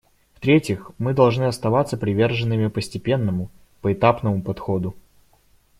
В-третьих, мы должны оставаться приверженными постепенному, поэтапному подходу.